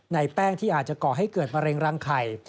แป้งที่อาจจะก่อให้เกิดมะเร็งรังไข่